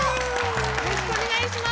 よろしくお願いします！